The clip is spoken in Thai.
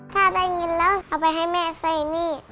ถ้าได้เงินแล้วเอาไปให้แม่ใส่หนี้